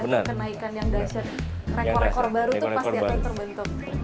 dengan kenaikan yang dasar rekor rekor baru itu pasti akan terbentuk